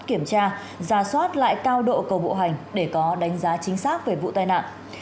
kiểm tra ra soát lại cao độ cầu bộ hành để có đánh giá chính xác về vụ tai nạn